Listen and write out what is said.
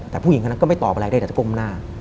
แต่ผู้หญิงคนนั้นก็ไม่ตอบอะไรได้แต่จะก้มหน้า